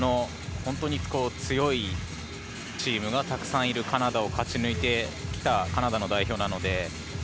本当に強いチームがたくさんいるカナダを勝ち抜いてきたカナダの代表なので。